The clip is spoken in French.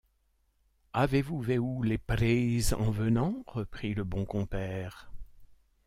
Avez-vous veu les prées en venant? reprit le bon compère.